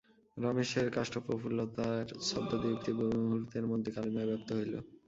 রমেশের কাষ্ঠপ্রফুল্লতার ছদ্মদীপ্তি মুহূর্তের মধ্যে কালিমায় ব্যাপ্ত হইল।